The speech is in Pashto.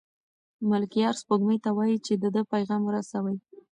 ملکیار سپوږمۍ ته وايي چې د ده پیغام ورسوي.